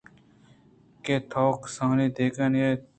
کہ تو کسانی ءَ داتگ اَنت